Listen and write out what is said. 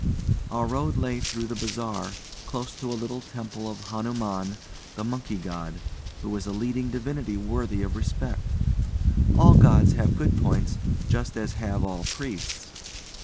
Our road lay through the bazaar, close to a little temple of Hanuman, the Monkey god, who is a leading divinity worthy of respect. All gods have good points, just as have all priests.